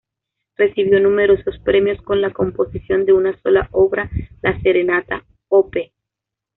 Recibió numerosos premios con la composición de una sola obra, la "Serenata" op.